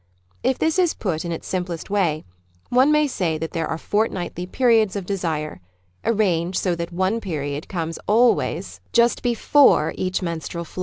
If this is put in its simplest way, one may say that there are fortnightly periods of desire, arranged so that one period comes always < U l^yiiWitttk A^iiMAHl 1!